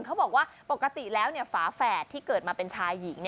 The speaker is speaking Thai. เขาบอกว่าปกติแล้วฝาแฝดที่เกิดมาเป็นชายหญิง